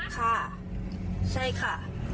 ค่ะใช่ค่ะ